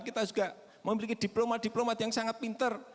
kita juga memiliki diplomat diplomat yang sangat pinter